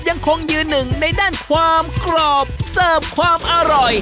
ยังคงยืนหนึ่งในด้านความกรอบเสิร์ฟความอร่อย